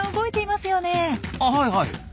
あはいはい。